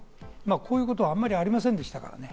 こういうことはあまりありませんでしたからね。